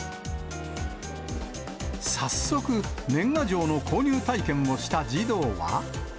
早速、年賀状の購入体験をした児童は。